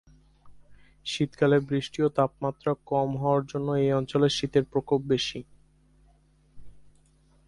শীতকালে বৃষ্টি ও তাপের মাত্রা কম হওয়ার জন্য এই অঞ্চলে শীতের প্রকোপ বেশি।